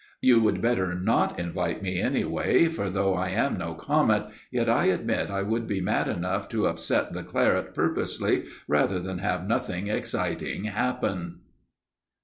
You would better not invite me anyway, for, though I am no comet, yet I admit I would be mad enough to upset the claret purposely rather than have nothing exciting happen!